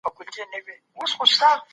په دغي کیسې کي یو بل ډېر ښکلی ټکی هم و.